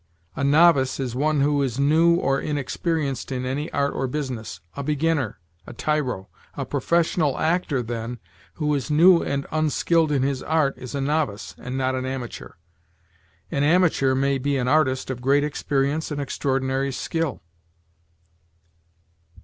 A novice is one who is new or inexperienced in any art or business a beginner, a tyro. A professional actor, then, who is new and unskilled in his art, is a novice and not an amateur. An amateur may be an artist of great experience and extraordinary skill.